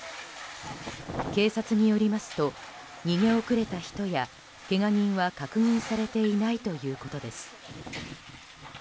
警察によりますと逃げ遅れた人やけが人は確認されていないということです。